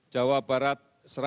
jawa barat satu ratus tujuh